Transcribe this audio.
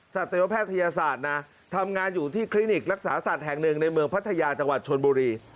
สัตวแพทยศาสตร์นะทำงานอยู่ที่คลินิกรักษาสัตว์แห่งหนึ่งในเมืองพัทยาจังหวัดชนบุรี